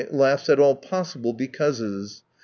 " laughs at all possible " becauses."